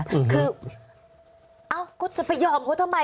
คือเอ้าก็จะไปยอมเขาทำไม